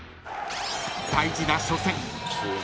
［大事な初戦］